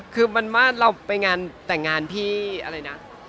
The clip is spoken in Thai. คือเราร์ไปแต่งงานพี่อะไรนะ